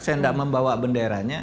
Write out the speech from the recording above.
saya nggak membawa benderanya